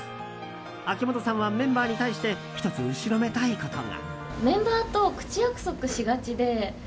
秋元さんはメンバーに対して１つ、後ろめたいことが。